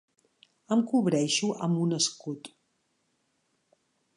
Em cobreixo amb un escut.